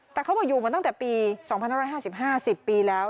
แต่เขามาอยู่เหมือนตั้งแต่ปี๒๕๕๐ปีแล้ว